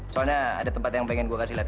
soalnya ada tempat yang pengen gue kasih ke kamu